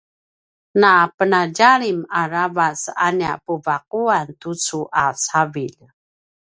napenadjalim aravac a nia puva’uan tucu a cavilj